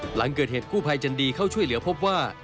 หลังเกิดเหตุกู้ภัยจันดีเข้าช่วยเหลือพบว่า